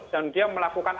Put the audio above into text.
dan dia melakukan aksi aksi